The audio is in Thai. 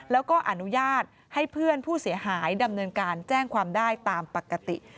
แล้วก็อนุญาตให้เพื่อนผู้เสียหายดำเนินการแจ้งความได้ตามปกติ